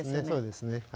そうですね。